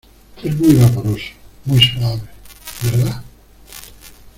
es muy vaporoso, muy suave ,¿ verdad?